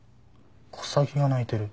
コサギが鳴いてる。